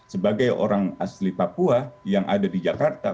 sebagai orang asli papua yang ada di jakarta